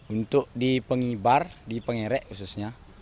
untuk di pengibar di pengerek khususnya